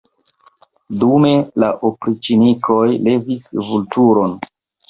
Dume la opriĉnikoj levis Vulturon.